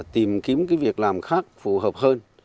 tìm kiếm việc làm khác phù hợp hơn